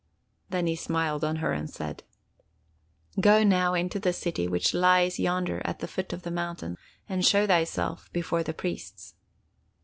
Then he smiled on her and said: 'Go now into the city which lies yonder at the foot of the mountain, and show thyself before the priests!